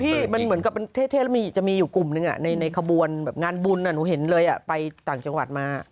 ที่มันเหมือนกับเป็นเทศแล้วจะมีอยู่กลุ่มนึงในขบวนแบบงานบุญหนูเห็นเลยไปต่างจังหวัดมา